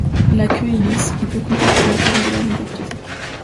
La queue est lisse et peut compter pour un quart de la longueur totale.